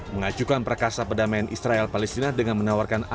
mengajukan perkasa pedamaian israel palestina dengan menawarkan alasan